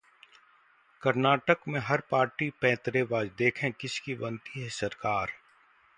कर्नाटक में हर पार्टी पैंतरेबाज, देखें किसकी बनती है सरकार?